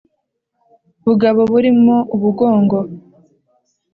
bugabo burimo ubugongo